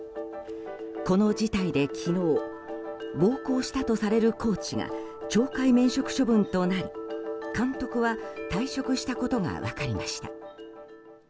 この事態で、昨日暴行したとされるコーチが懲戒免職処分となり監督は退職したことが分かりました。